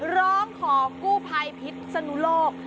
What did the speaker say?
ร้องขอกู้ภัยพิษสนุโลก